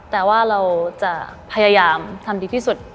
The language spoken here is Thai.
แต่ว่าเราจะพยายามทำดีที่สุด